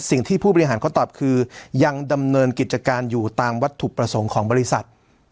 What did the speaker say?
ผู้บริหารเขาตอบคือยังดำเนินกิจการอยู่ตามวัตถุประสงค์ของบริษัท